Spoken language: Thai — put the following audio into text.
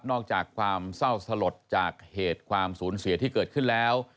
อกจากความเศร้าสลดจากเหตุความสูญเสียที่เกิดขึ้นแล้ว